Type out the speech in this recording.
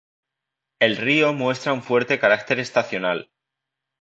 El río muestra un fuerte carácter estacional.